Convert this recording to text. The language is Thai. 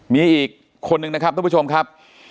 มีอีกคนนึงนะครับทุกผู้ชมครับ